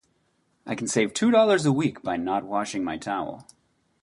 I can save two dollars a week by not washing my towel.